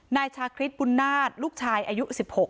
นายชาคริสบุญนาฏลูกชายอายุ๑๖